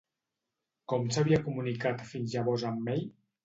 Com s'havia comunicat fins llavors amb May?